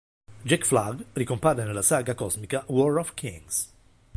Jack Flag ricompare nella saga cosmica War of Kings.